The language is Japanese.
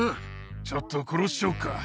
ちょっと殺しちゃおっか。